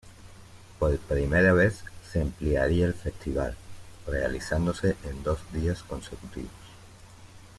Por primera vez se ampliaría el festival, realizándose en dos días consecutivos.